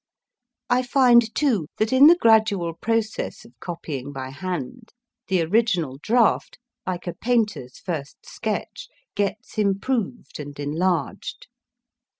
I find, too, that in the gradual process of copying by hand, the original draft, like a painter s first sketch, gets improved and enlarged.